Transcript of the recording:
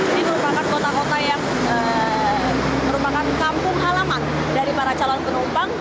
ini merupakan kota kota yang merupakan kampung halaman dari para calon penumpang